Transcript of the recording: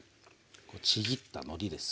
こうちぎったのりです。